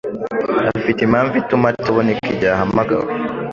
afite impamvu ituma ataboneka igihe ahamagawe